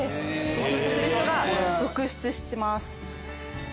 リピートする人が続出してます。